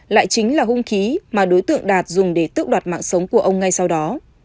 lại chính là hung khí mà đối tượng đạt dùng để tước đoạt mạng sống của ông ngay sau đó